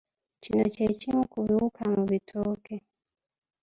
Kino kye kimu ku biwuka mu bitooke.